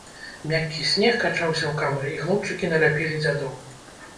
Мяккі снег качаўся ў камы, і хлопчыкі наляпілі дзядоў.